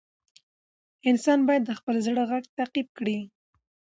انسان باید د خپل زړه غږ تعقیب کړي.